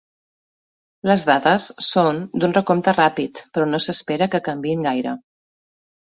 Les dades són d’un recompte ràpid, però no s’espera que canviïn gaire.